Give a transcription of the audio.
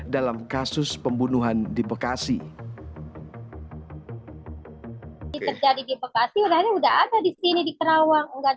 dalam kasus pembunuhan di bekasi terjadi di bekasi orangnya udah ada di sini di kerawang enggak